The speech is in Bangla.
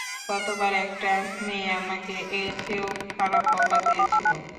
গতবার একটা মেয়ে আমাকে এর চেয়েও খারাপ বকা দিয়েছিল।